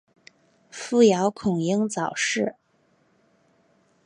父姚孔瑛早逝。